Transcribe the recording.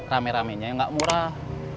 rame ramenya yang nggak murah